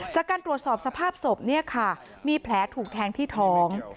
จากการตรวจสอบสภาพศพเนี่ยค่ะมีแผลถูกแทงที่ท้อง